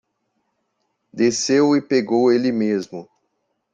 Desceu e pegou ele mesmo.